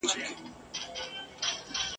ګورو به نصیب ته په توپان کي بېړۍ څه وايي !.